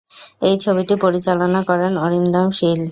এই ছবিটি পরিচালনা করেন অরিন্দম শীল।